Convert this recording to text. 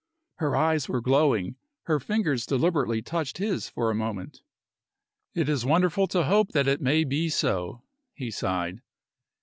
Her eyes were glowing. Her fingers deliberately touched his for a moment. "It is wonderful to hope that it may be so," he sighed.